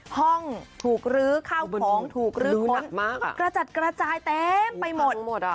ห้องถูกลื้อข้าวของถูกลื้อค้นกระจัดกระจายเต็มไปหมด